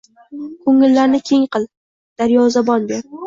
Ko‘ngillarni keng qil, daryozabon ber